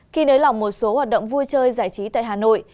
khi nới lỏng một số hoạt động vui chơi giải trí tại hà nội